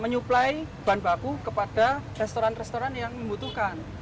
menyuplai bahan baku kepada restoran restoran yang membutuhkan